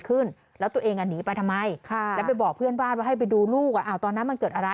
อืม